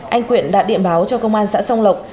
anh quyện đã điện báo cho công an xã song lộc